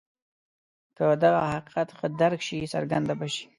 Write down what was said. که دغه حقیقت ښه درک شي څرګنده به شي.